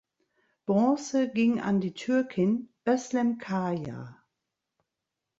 Bronze ging an die Türkin Özlem Kaya.